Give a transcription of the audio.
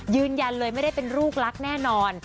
ยืนยันเลยไม่ได้เป็นลูกรักแน่นอน